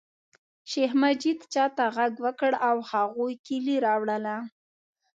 شیخ مجید چاته غږ وکړ او هغوی کیلي راوړله.